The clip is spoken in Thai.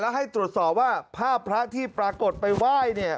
ให้ตรวจสอบว่าภาพพระที่ปรากฏไปไหว้เนี่ย